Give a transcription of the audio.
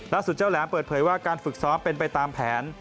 เจ้าแหลมเปิดเผยว่าการฝึกซ้อมเป็นไปตามแผน